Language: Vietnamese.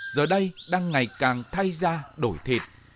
giờ đây đang ngày càng thay ra đổi thịt